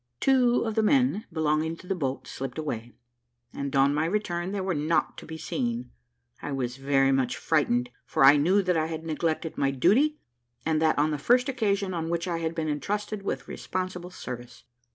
Two of the men: belonging to the boat slipped away, and on my return they were not to be seen, I was very much frightened, for I knew that I had neglected my duty, and that on the first occasion on which I had been entrusted with responsible service.